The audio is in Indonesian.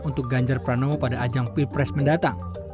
untuk ganjar pranowo pada ajang pilpres mendatang